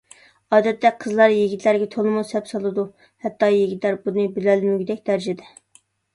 ئادەتتە قىزلار يىگىتلەرگە تولىمۇ سەپسالىدۇ. ھەتتا يىگىتلەر بۇنى بىلەلمىگۈدەك دەرىجىدە.